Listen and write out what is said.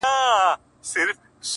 یو نن نه دی زه به څو ځلي راځمه!.